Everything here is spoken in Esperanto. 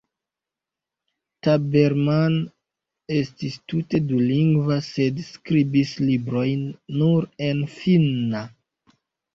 Tabermann estis tute dulingva sed skribis librojn nur en finna.